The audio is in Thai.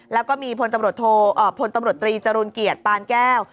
แล้วก็มีพลตำรวจทรีย์จรุรเกียจปานแก้ว